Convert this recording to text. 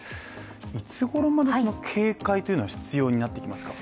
いつごろまで警戒は必要になってきますか？